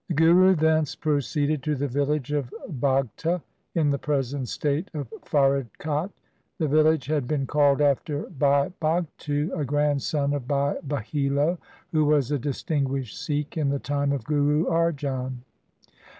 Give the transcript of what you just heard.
The Guru thence proceeded to the village of Bhagta in the present state of Faridkot. The village had been called after Bhai Bhagtu, a grandson of Bhai Bahilo, who was a distinguished Sikh in the time of Guru Arjan.